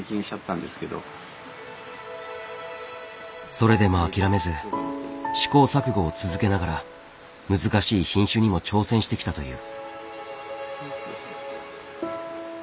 それでも諦めず試行錯誤を続けながら難しい品種にも挑戦してきたという。